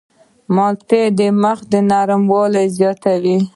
مالټې د مخ نرموالی زیاتوي.